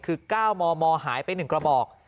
คือ๙มมหายไป๑กระบอก